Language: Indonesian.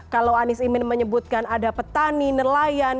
kalau anies imin menyebutkan ada petani nelayan